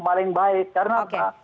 paling baik karena apa